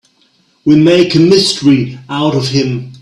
We'll make a mystery out of him.